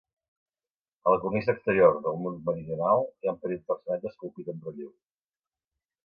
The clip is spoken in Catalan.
A la cornisa exterior del mur meridional, hi ha un petit personatge esculpit en relleu.